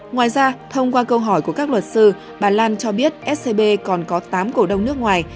ngoài ra thông qua câu hỏi của các luật sư bà lan cho biết scb còn có tám cổ đông nước ngoài